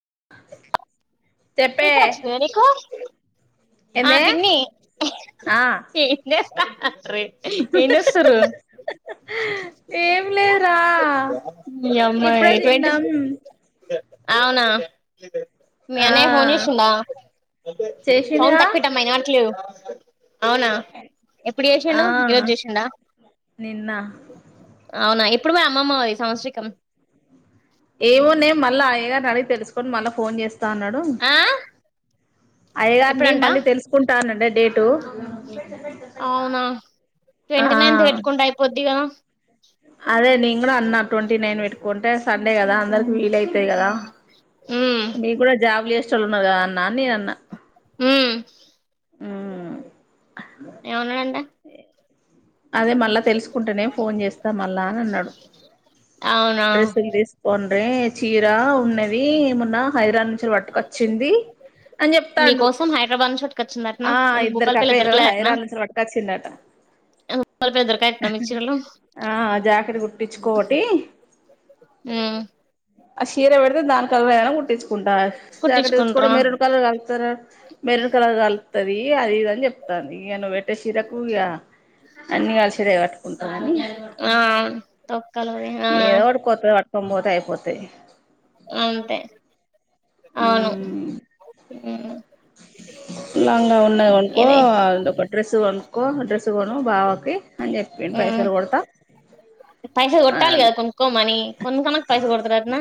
[inaudible] చెప్పే పీకర్ అచ్చింది గద నీకూ ఆ ఏందే పిన్నీ ఆ హ హ రేప్ ఏన్జేస్తురూ ఏం లేదురా నీయమ్మా ఇప్పుడే ట్వంటిస్ తిన్నాం అవునా ఆ మీయన్నే ఫోన్ జీషిందా చేసిండుగా అవునా ఎప్పుడు ఆ చేషిండు ఈరోజ్ జేసిండా నిన్న అవునా ఎప్పుడు మరి అమ్మమ్మ వది సంవత్సరికం ఏమోనే మళ్ళా అయ్యగార్నడిగి తెలుసుకొని మళ్ళ ఫోన్ జేస్తా అన్నడు ఆ అయ్యగార్నీ ఎప్పుడంట మళ్ళీ తెలుసుకుంటాన్నడే డేటు అవునా అ ట్వంటీ ఆ నైన్త్ పెట్టుకుంటే అయిపోద్ది కదా అదే నేంగుడా అన్నా ట్వంటీ నైన్ పెట్టుకుంటే సండే కదా అందకి వీలైతయ్ గదా ఉమ్ నీగ్గుడ జాబ్లు జేష్టోల్లున్నారు గదా అన్నా అన్ నేనన్న ఊ ఊ ఏవన్నడంట అదే మళ్ళ తెలుసుకుంటనే ఫోన్ చేస్త మళ్ళా అనన్నడు అవునా డ్రెస్సుల్ దీస్కో అన్న చీరా ఉన్నదీ మొన్నా హైదరాద్ నుంచొల్ పటుకొచ్చింది మీకోసం హైడ్రాబాద్ పట్కచ్చిందట్నా ఆ ఎందుకు ఇద్దరికి భూపాల్పల్ల అక్కయ్యలు దొరకలేదట్నా హైదరాబాద్ నుంచి పట్టుకొచ్చిండట ఆ జాకిట్ కుట్టిచ్చుకో ఓటీ ఊ ఆ చీర పెడితే దా కలర్ అయినా కుట్టించుకుంటా జాకెట్ తెచ్చుకొని కుట్టించుకుంట్రా మెరన్ కలర్ కలుతారు మెరున్ కలర్ కలుతది అది ఇదని చెప్తాంది ఇక నువ్వు పెట్టే చిరకు ఇగా అన్ని కలిసి చీర కట్టుకుంటమని ఆ తొక్కలువి ఆ ఏదో ఒకటి కొత్తది కట్టుకొని పోతే అయిపోతది అంతే అవును ఉమ్ ఉ లంగా ఉన్నాది కొనుకో అ ఒక డ్రెస్ కొనుక్కో డ్రెస్ కొను బావకి అని చెప్పిండు పైసలు కొడతా పైసలు కొట్టాలి అని కదా కొనుకోమని కొనుకునాక పైసలు కొడతడటన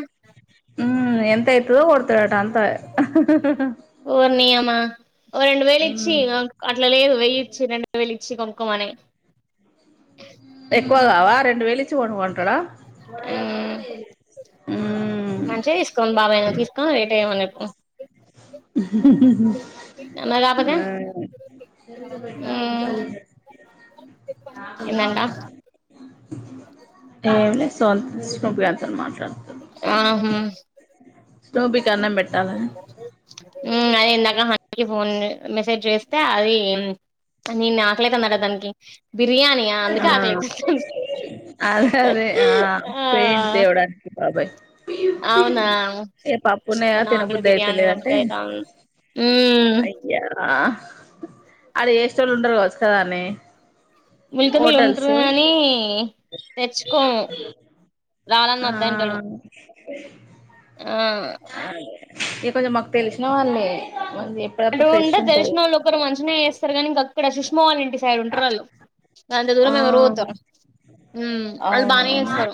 ఇపుడే కొడతట అంత ఒర్ ని యమా ఓ రెండు వేలు ఇచ్చి ఉమ్ అట్లా లేదు వెయ్యిచ్చి రెండువేలిచ్చి కొనుకోమని ఎక్కువ కావా రెండు వేలు ఇచ్చి కొనుకోమంటడ [unintelligible] మంచిగా తీసుకోడి బాబా ఏనా తీసుకొని రేట ఏమన్నా హామ్ మరి కాకపోతే ఆ అవుదద ఏందంట [unintelligible] ఏమి సొంతష్ణప అంతని మాట్లాడు [unintelligible] ఆహా స్నోబికన్నం పెట్టాలా అదే ఇందాక ఫోన్ మెసేజ్ చేస్తే అది నిన్న ఆకలయితాంది అట దానికి బిర్యానియా అందుకే ఆ ఆకలయితాంది దానికి అదే అదే ఆ పెయింట్ తేవడానికి బబాయి అవునా ఏ పప్పునే అబ్బ నాకు కూడా తినబుద్ధి బిర్యానీ అయితలేదంటే తినబుద్ధి అయితాంది మ్మ్ అయ్యా అది ఏ స్టోర్లో ఉండరు కావచ్చు కదానే ఉలికజలు ఉంటరు కాని తెచ్చుకోం రానన్న ఆ వద్దోంటడు ఇక కొంచెం మాకు తెలిసిన వాల్లే అంటే ఉంటరు తెలిసిన వాళ్ళు ఒకరు మంచిగనే చేస్తరు కానీ ఇంక అక్కడ సుష్మా వాళ్ళ ఇంటి సైడ్ ఉంటరు వాళ్ళు అంత ఆ దూరమెవరు పోతరు మ్మ్ వాళ్ళు బానే అవునవును చేస్తరు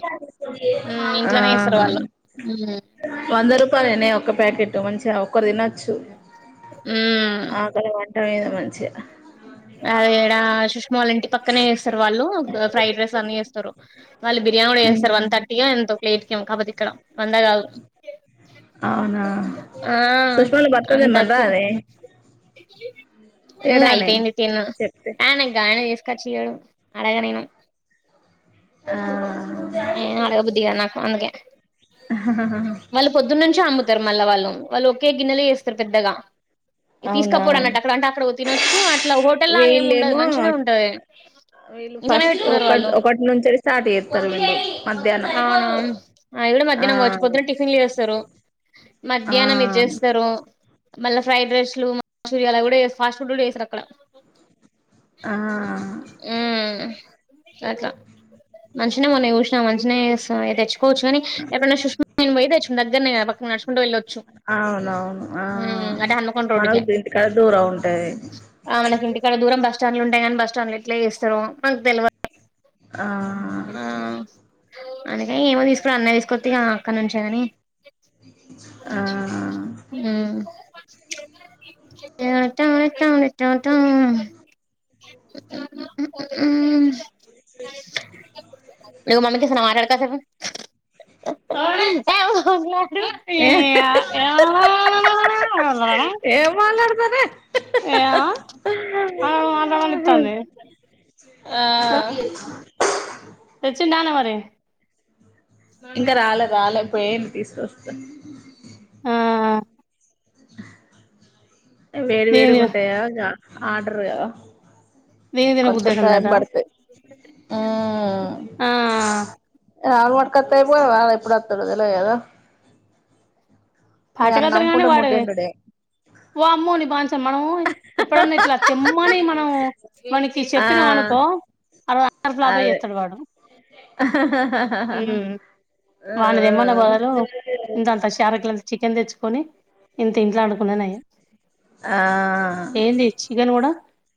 మ్మ్ ఆ ఇంట్లనే చేస్తరు వాళ్ళు మ్మ్ వంద రూపాయలేనే ఒక ప్యాకెట్ మంచిగా ఒకరు తినచ్చు మ్మ్ ఆకలి మంట లేదు మంచిగా అది ఎడ సుష్మాావాళ్ల ఇంటి పక్కనే చేస్తరు వాళ్ళు ఫ్రైడ్ రైస్ అన్ని చేస్తారు వాళ్ళు బిరియాని కూడా చేస్తరు వన్ థర్టీయొ ఎంతో ఒక ప్లేట్కేమో కాకపోతే ఇక్కడ వంద కాదు అవునా ఆ సుష్మాల భర్త అంత [unintelligible] తెమ్మని అచ్చ రాదే ఇ తేడానే అయిపోయింది తిన్న చెప్తే ఆయనకి ఆయనే చేసుకుంటడు [unintelligible] కక్ష అడగనేను ఆ ఏమొ అడగ బుద్ధిగాదు నాకు అందుకే హ హ హ హ చ అమ్ముతారు మళ్ళా వాళ్ళు వాళ్ళు ఒకే గిన్నెలొ చేస్తారు పెద్దగా అవునా తీసుకపోవడం అన్నట్టు అక్కడ అంటే అక్కడ తినొచ్చు అట్లా హోటల్ లాగా ఏమి ఉండదు వీళ్ళేమో మంచిగనే ఉంటది వీళ్ళు ఇంట్లోనే ఫస్ట్ పెట్టుకున్నారు ఒకటి వాళ్ళు ఒకటి నుంచి స్టార్ట్ చేస్తారు వీళ్ళు మధ్యాహ్నం అవునవును అది కూడ ఆ మధ్యాహ్నం పోవచ్చు పొద్దున టిఫిన్లు చేస్తరు ఆ మధ్యాహ్నం ఇది చేస్తారు మళ్ళీ ఫ్రైడ్ రైస్లు మంచూరియాలవి కూడా చేస్తరు ఫాస్ట్ ఫుడ్ కూడా చేస్తరు అక్కడ ఆ మ్మ్ అట్లా మంచిగానే మొన్న చూసినా మంచిగానే తెస్తా తెచ్చ పోవచ్చు కానీ ఎక్కడనా [unintelligible] పోయి దగ్గర పక్కన నడచుకుంట వెళ్ళచ్చు అవునవును ఆ అంటే హన్మకొండ మనం రోడ్డుకే ఇంటికాడా దూరం ఉంటాది ఆ మనకి ఇంటికాడ దూరం బస్టాండ్ ఉంటాయి కాని బస్ స్టాండ్ ఎట్లా చేస్తారో మాకు తెల్వదు ఆ అందుకని ఏమో తీసుకుర అన్నయ్య తీసుకొత్తే ఇగ అక్కడి నుంచే కాని ఆ ఊ [unintelligible] ఉ ఉ ఉ ఉహ్ [inaudible] [inaudible] [unintelligible] [unintelligible] ఏ ఏం మాట్లాడతానే ఏమో ఆ వాళ్ళు రవ్వ అందితాంది ఆ తెచ్చిండా ఆనా మరి ఇంకా రాలే రాలే పోయిండు తీసుకొస్తా ఆ వేడి దీని వేడి తిన గుంటయా ఆర్డర్ కదా దీని తిన కొంచం టైమ్ బుద్ధయితుందట పడతాది ఊ ఆ ఆ [unintelligible] ఎప్పుడు వత్తడో తెల్వదు కదా ఇగ అన్ని పట్టుకాత్తాడు కాని అమ్ముకుంటే వాడు ముడ్డెండుడే వామ్మో నిబంచన్ మనము ఎప్పుడన్నా ఇట్లా తెమ్మని మనం వానికి ఆ చెప్పినం అనుకో కో అరవై [unintelligible] చేస్తాడు వాడు మ్మ్ ా వాన్ని తెమన్నె బదులు ఇంతంత షారెట్లు ఛీ చికెన్ తెచ్చుకొని ఇంత ఇంట్లో వండుకునేది నయం ఆ ఏంది చికెన్ కూడా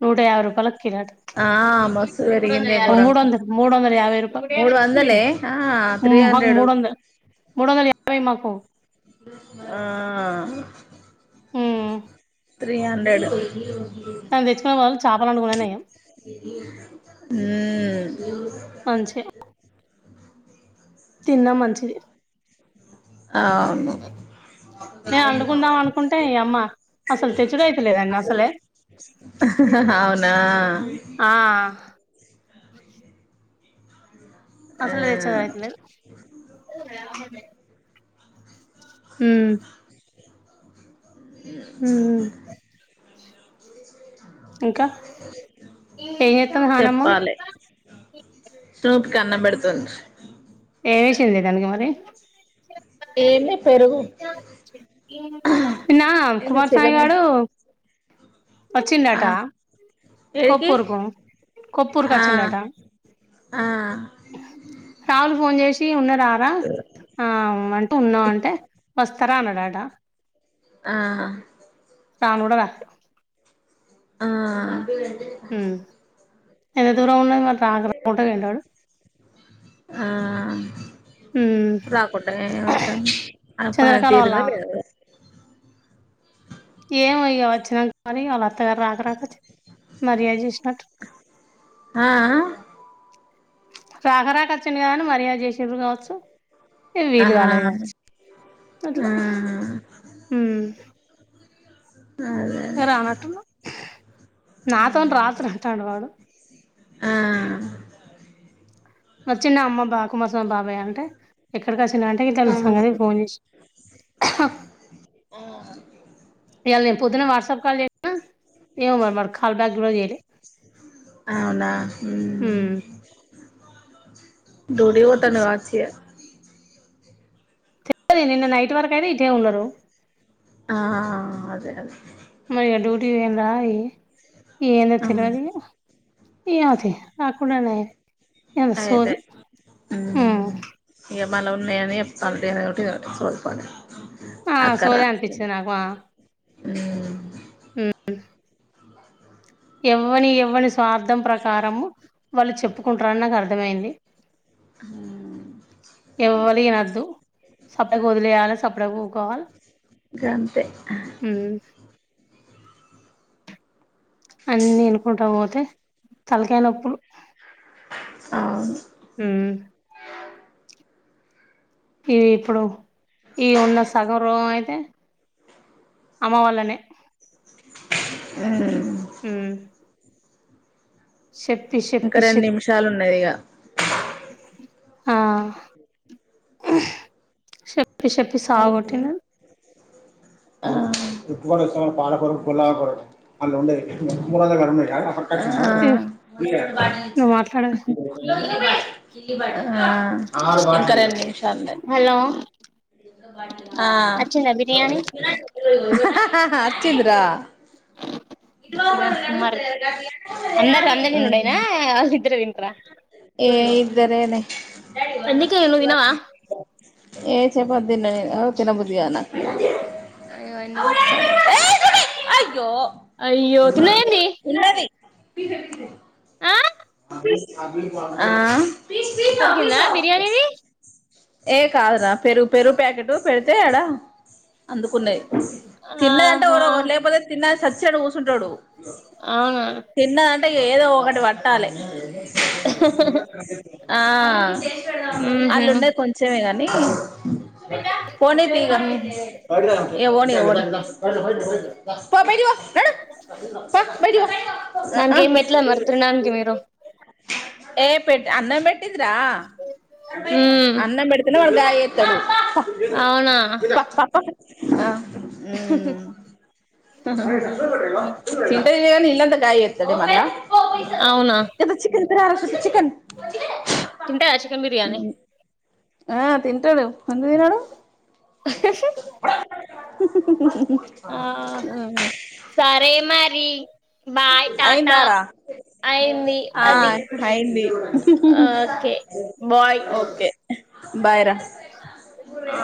నూట యాభై రూపాయల కి కిలో అంట ఆ మస్తు పెరిగిందే మూడు ఘోరంగా వంద మూడు వందల యాబై రూపాయ మూడు వందలే ఆ త్రీ మాకు హండ్రెడ్ మూడు వందలు మూడు వందల యాభై మాకు ఆ త్రీ హండ్రెడ్ ఆది తెచ్చుకునేవాళ్లు ఊ తిన్న మంచిది అవును మేము అండుకుందాం అనుకుంటే ఈ అమ్మ అసలు తెచ్చుడు అయితలేదండి అసలే అవునా ఆ ఆ అసలు వేచ్చ ఆయతు లేదు ఉ ఉ ఇంకా ఎం చెత్తంది నానమ్మ స్టూప్ కి అన్నం పేడుతుంది ఏమేసింది దానికి మరి ఏమి పెరుగు నిన్న ఆ ఏంటి కుమార్ సాయి చికెన్ గాడు ఆ వచ్చిండటా ఏడికి కొప్పుూరుకు కొప్పుూరుకు ఆ వచ్చిండాట ఆ కావులు ఫోన్ చేసి టీ ఉన్న రారా ఆ అంటే ఉన్నా అంటే వస్తారా అన్నాడాట ఆహా కాణూ గూడా కాద్ ఆ ఎంత దూరం ఉన్నాం వాడు రాకొకుంట పోయిండాడు? ఆ ఉమ్ రాకంటే ఏమైతంది. ఆయనక్ పని చంద్రకళ వాళ్ళ తీరిందో లేదో ఏమో ఇగ వచ్చినా గానీ వాళ్ళత్తగారు రాకరాక వచ్ మర్యాద్ చేస్ ఆఆ రాకరాక వచ్చిండుగాని మర్యాద్ చేసిర్రు గావచ్చు. ఇగ ఆ వీలుగాలేదు గావచ్చు. ఆ అట్లా ఉమ్ అదే ఇగ అదే రానట్టుండు. నాతోన్ రాత్ర అంటాడు వాడు ఆ వచ్చిన్డా అమ్మ బా కుమర్సామ్ బాబాయ్యాంటే ఎక్కడికి వచ్ చ్చిరంటే [unintelligible] ఆ తెళ్ల సంగతే ఫోన్ చేస్నా ఇయాల నేను పొద్దున వాట్స్అప్ కాల్ చేసిన. ఏమో వాడ్ కాల్ బ్యాక్ గూడా చెయ్లే అవునా ఉమ్ డ్యూటీకి ఓతండు గావచ్చు. ఇగ చెప్తాది నిన్న నైట్ వరకు అయినా ఇటుే ఉన్నారు. ఆ అదే అదే మరి ఇగ డ్యూటీక్ పోయిరా. ఇగ్ ఏందో ఉమ్, తెలవది. ఇయ్యోంతి రాకుంటమయే అయిపే ఉమ్ ఇగ మనం ఉన్నాయాని చెప్తాళ్ళు లేదంటే సోల్పనే ఆ అక్కర సోదే అనిపించింది [inaudible] ఉమ్ ఉహ్ హు ఎవ్వని ఎవ్వని స్వార్థం ప్రకారము, వాళ్ళు చెప్పుకుంటార నాకు అర్థమైంది. ఉహ్ ఎవ్వలి ఈనద్దు. సప్డేక్ వదిలేయాల, సప్డేక ఊకోవాల. అంతే ఆ అన్ని ఇనుకుంటా పోతే తలకాయ్ నొప్పులు. అవున్ ఉమ్ ఇవి ఇప్పుడు ఇగో ఉన్న సగం రూమ్ అయితే అమ వాళ్లనే ఉహ్ హు శేప్పి ఇంకా శేప్పి రెండు శేప్ నిమిషాలు ఉన్నది ఇక ఆ సేప్ ప్పిసేప్పి అదేంటి సావగొట్టిన ఆ నువ్వు మాట్లాడవే ఆ ఆ ఇంకా రెండు నిమిషాలు ఉన్నద్ ఆ ఆ అచ్చింద్రా కినాక్ కుమార్రి. అందరూ అందరూ తినుడేనా వాళ్ళిద్దరే తింట్రా? ఏవే ఇద్దరేనే ఎందుకే నువ్వు వా తినవా ఏ చేపాదిన్న నేన్ అవ్ తిన బుద్దిగాద్ నాక్ ఏ అయ్యో ఎందుకు చూడే అయ్యో అయ్యో తిన్నవేంది ఉన్నది పీట తీసెయ్ ఆ ఆ కొరికిందా బిర్యానీ ది ఏ కాదురా పెరు పెరుగు ప్యాకెట్ పెడితే ఆడ అందుకున్నది తిన్నదంటే ఆహా ఎవరో ఒకని లేకపోతే తిన్నది సచ్చినట్టు కూసుంటాడు అవునా తిన్నదంటే ఏదో ఒకటి పట్టాలె ఆ ఊహూ అళ్లున్నది కొంచెమే గానీ పో ఊహూ బయటికి పో నడు పో బయటికి పో దానికి ఉ ఏం పెట్టలే మరి ఊ తినడానికి మీరు ఏ పెట్ అన్నం పెట్టిందిరా ఉమ్ అన్నం పెడితేనే వాడు బ్యాగ్ ఎ తాడు అవునా [unintelligible] తింటే ఉమ్ తినే గానీ ఇల్లంతా ఖాళీ [inaudible] మళ్ళా అవునా తేపో చికెన్ [inaudible] చికెన్ తింటయా చికెన్ బిర్యానీ ఆ తింటాడు ఎందుకు తినడు ఆ అవును సరే మరి బాయ్ టాటా అయ్యిందా రా అయింది ఆ అది అయ్యింది ఓకే బాయ్ ఓకే బాయ్ రా ఆ